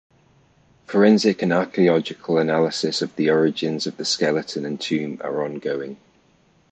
Forensic and archaeological analysis of the origins of the skeleton and tomb are ongoing.